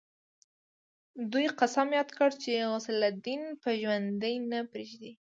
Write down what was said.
دوی قسم ياد کړ چې غوث الدين به ژوندی نه پريږدي.